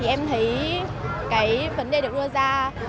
em thấy vấn đề được đưa ra